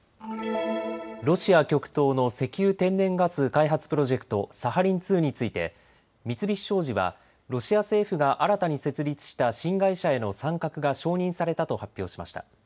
ロシア極東の石油・天然ガス開発プロジェクト、サハリン２について三菱商事はロシア政府が新たに設立した新会社への参画が承認されたと発表しました。